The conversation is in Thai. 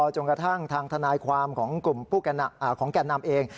จนกระทั่งทางทนายความของกลุ่มแก่นนำเอง